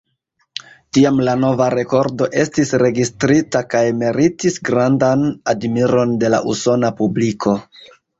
Tiam la nova rekordo estis registrita kaj meritis grandan admiron de la usona publiko.